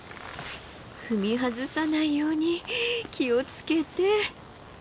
踏み外さないように気を付けて。